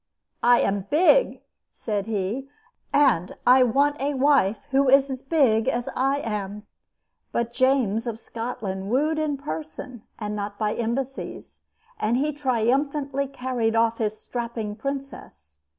"I am big," said he, "and I want a wife who is as big as I am." But James of Scotland wooed in person, and not by embassies, and he triumphantly carried off his strapping princess.